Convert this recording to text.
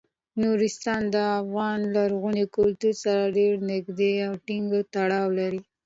نورستان د افغان لرغوني کلتور سره ډیر نږدې او ټینګ تړاو لري.